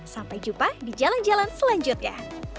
sampai jumpa di jalan jalan selanjutnya